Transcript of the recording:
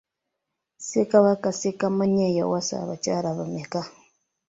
Ssekabaka Ssekamaanya yawasa abakyala bameka?